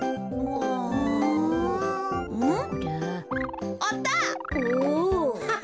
うん？